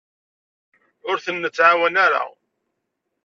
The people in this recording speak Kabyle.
Ur ten-nettɛawan ara.